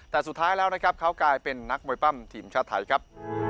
แต่สุดท้ายแล้วนะครับเขากลายเป็นนักมวยปั้มทีมชาติไทยครับ